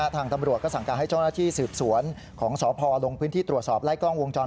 ทางตำรวจก็สั่งการให้เจ้าหน้าที่สืบสวนของสพลงพื้นที่ตรวจสอบไล่กล้องวงจร